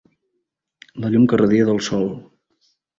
La llum que radia del sol.